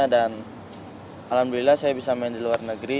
dan alhamdulillah saya bisa main di luar negeri